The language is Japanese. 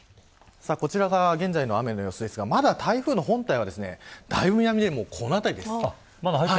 こちらが現在の雨の様子ですがまだ台風の本体はだいぶ南で、この辺りです。